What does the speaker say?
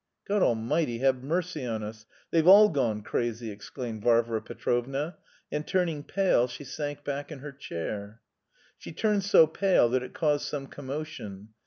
"God Almighty have mercy on us, they've all gone crazy!" exclaimed Varvara Petrovna, and turning pale she sank back in her chair. She turned so pale that it caused some commotion.